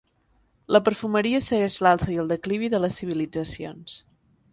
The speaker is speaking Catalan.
La perfumeria segueix l'alça i el declivi de les civilitzacions.